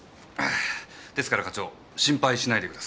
ですから心配しないでください。